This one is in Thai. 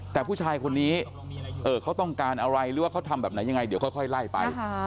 แต่ผู้ชายคนนี้เขาต้องการอะไรหรือว่าเขาทำแบบไหนยังไงเดี๋ยวค่อยไล่ไป